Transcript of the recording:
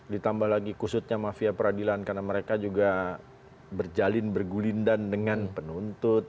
ditambah lagi kusutnya mafia peradilan karena mereka juga berjalin bergulindan dengan penuntut